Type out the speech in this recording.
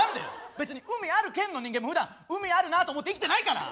別に海ある県の人間もふだん海あるなと思って生きてないから！